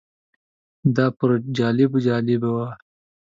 دا پر جالبو جالبه وه.